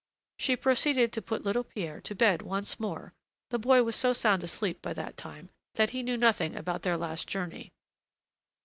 She proceeded to put little Pierre to bed once more; the boy was so sound asleep by that time, that he knew nothing about their last journey.